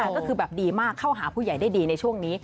ก็คือแบบดีมากเข้าหาผู้ใหญ่ได้ดีในช่วงนี้